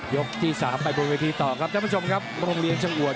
ที่สามไปบนเวทีต่อครับท่านผู้ชมครับโรงเรียนชะอวด